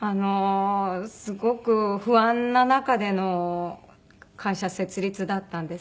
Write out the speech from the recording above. すごく不安な中での会社設立だったんですね。